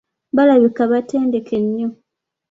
Balabika batendeke nnyo.